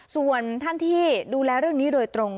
ส่วนท่านที่ดูแลเรื่องนี้โดยตรง